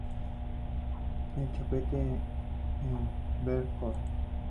La Chapelle-en-Vercors